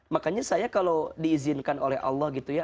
makanya saya kalau diizinkan oleh allah gitu ya